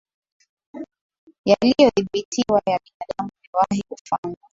yaliyodhibitiwa ya binadamu yamewahi kufanywa